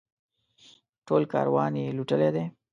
ټول کاروان یې لوټلی دی.